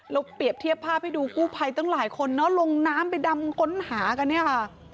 เปรียบเทียบภาพให้ดูกู้ภัยตั้งหลายคนเนอะลงน้ำไปดำค้นหากันเนี่ยค่ะ